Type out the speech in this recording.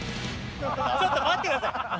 ちょっと待って下さい！